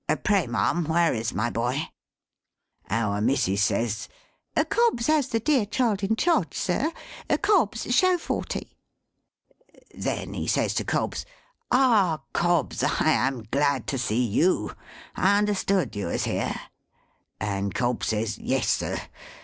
Pray, ma'am, where is my boy?" Our missis says, "Cobbs has the dear child in charge, sir. Cobbs, show Forty!" Then he says to Cobbs, "Ah, Cobbs, I am glad to see you! I understood you was here!" And Cobbs says, "Yes, sir.